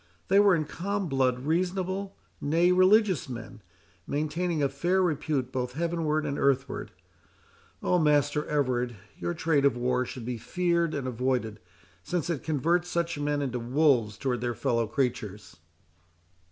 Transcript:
They were in calm blood reasonable, nay, religious men, maintaining a fair repute both heavenward and earthward. Oh, Master Everard, your trade of war should be feared and avoided, since it converts such men into wolves towards their fellow creatures."